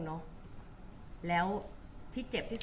คุณผู้ถามเป็นความขอบคุณค่ะ